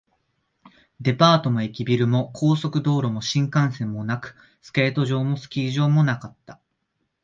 デパートも駅ビルも、高速道路も新幹線もなく、スケート場もスキー場もなかった